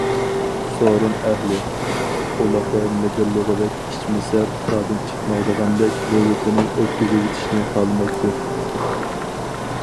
سورۇن ئەھلى‹‹ قۇلىقى مىدىرلىغۇدەك›› ئىچمىسە پۇخادىن چىقمايدىغاندەك نۆۋىتىنى ئۆتكۈزۈۋېتىشنى خالىمايتتى.